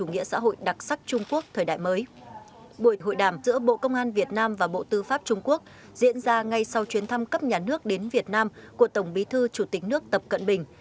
hội đồng tư pháp trung quốc diễn ra ngay sau chuyến thăm cấp nhà nước đến việt nam của tổng bí thư chủ tịch nước tập cận bình